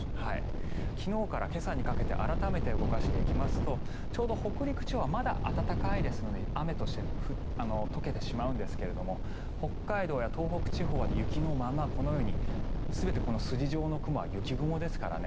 昨日から今朝にかけて改めて動かしていきますとちょうど北陸地方はまだ暖かいですので、雨として解けてしまうんですが北海道や東北地方は雪のまま、このように全て筋状の雲は雪雲ですからね。